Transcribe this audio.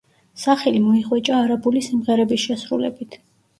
სახელი მოიხვეჭა არაბული სიმღერების შესრულებით.